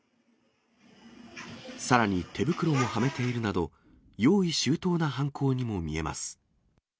さらに手袋もはめているなど、用意周到な犯行にも見えます。